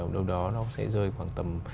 đâu đó nó sẽ rơi khoảng tầm